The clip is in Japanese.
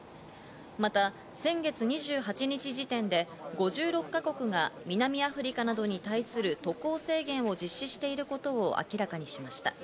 また先月２８日時点で５６か国が南アフリカなどに対する渡航制限を実施していることを明らかにしました。